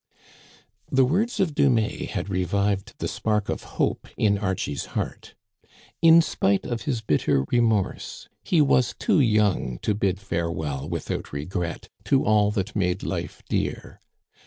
The words of Dumais had revived the spark of hope in Archie's heart. In spite of his bitter remorse, he was too young to bid farewell without regret to all that made life dear.